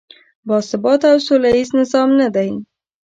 باثباته او سولیز نظام نه دی.